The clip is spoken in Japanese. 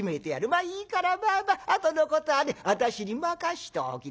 まあいいからあとのことはね私に任しておきな」。